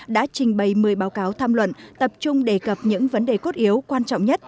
đã trình bày một mươi báo cáo tham luận tập trung đề cập những vấn đề cốt yếu quan trọng nhất